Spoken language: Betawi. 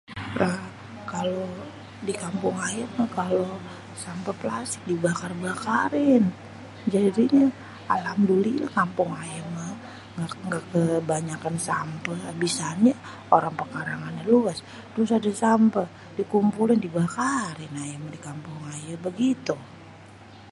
Lah kalo di kampung aye meh kalo sampeh pelastik dibakar-bakarin jadinye alhamdulilleh kampung aye meh ga kebanyakan sampeh. Abisanye orang pekarangannya luas asal ade sampeh dikumpulin dibakarin, di kampung aye begitu